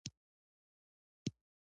د محبسونو اداره بندیان ساتي